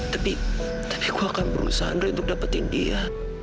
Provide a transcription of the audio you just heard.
tapi tapi gue akan berusaha reh untuk dapetin dia